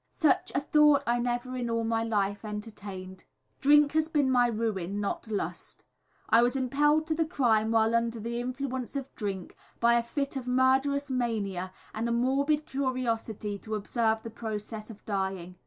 Such a thought I never in all my life entertained. Drink has been my ruin, not lust. I was impelled to the crime while under the influence of drink, by a fit of murderous mania, and a morbid curiosity to observe the process of dying.